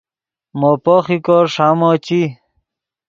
مو پوخیکو ݰامو چی